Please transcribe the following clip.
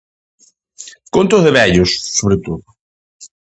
Conto de vellos, sobre todo.